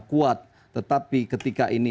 kuat tetapi ketika ini